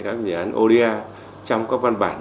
các dự án oda trong các văn bản